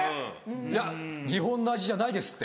いや日本の味じゃないですって